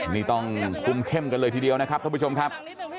นี่ต้องคุมเข้มกันเลยทีเดียวนะครับท่านผู้ชมครับ